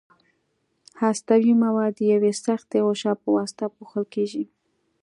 هستوي مواد د یوې سختې غشا په واسطه پوښل کیږي.